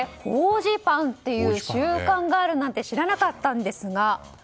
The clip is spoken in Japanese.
法事パンという習慣があるなんて知らなかったんですが。